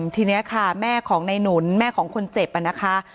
ทีนี้ค่ะแม่ของในหนุนแม่ของคนเจ็บนะคะ